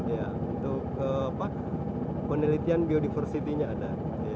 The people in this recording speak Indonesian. untuk pak penelitian biodiversitinya ada